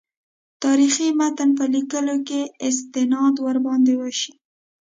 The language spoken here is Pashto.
تاریخي متن په لیکلو کې استناد ورباندې وشي.